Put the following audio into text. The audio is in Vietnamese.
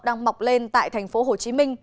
đang mọc lên tại tp hcm